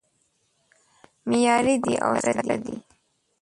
معیاري دی او سره دی